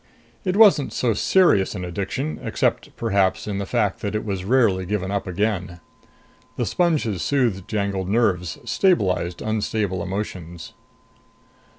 It wasn't so serious an addiction, except perhaps in the fact that it was rarely given up again. The sponges soothed jangled nerves, stabilized unstable emotions.